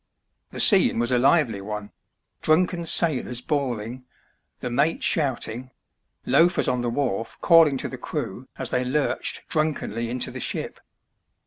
The scene was a lively one ; drunken sailors bawling, the mate shouting, loafers on the wharf calling to the crew as they lurched drunkenly into the ship.